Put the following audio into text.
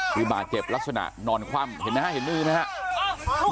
คือมาเจ็บลักษณะนอนคว่ำเห็นมั้ยฮะเห็นมือมั้ยฮะ